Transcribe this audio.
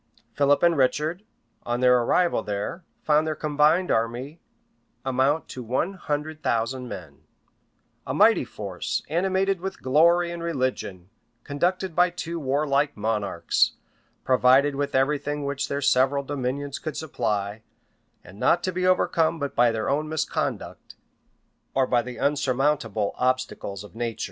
[*] {1190.} Philip and Richard, on their arrival there, found their combined army amount to one hundred thousand men;[] a mighty force, animated with glory and religion, conducted by two warlike monarchs, provided with every thing which their several dominions couid supply, and not to be overcome but by their own misconduct, or by the unsurmountable obstacles of nature.